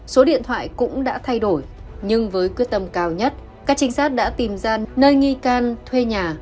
số điện thoại cũng đã thay đổi nhưng với quyết tâm cao nhất các trinh sát đã tìm ra nơi nghi can thuê nhà